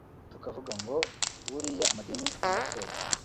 tukavuga ngo buriya amadini n’amatorero